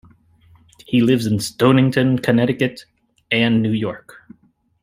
He lives in Stonington, Connecticut, and New York.